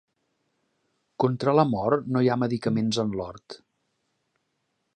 Contra la mort no hi ha medicaments en l'hort.